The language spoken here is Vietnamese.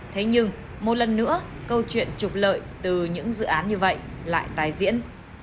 thế nhưng một lần nữa câu chuyện trục lợi từ những dự án như vậy lại tái diễn